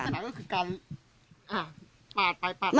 แล้วสำหรับการปาดไปปาดมา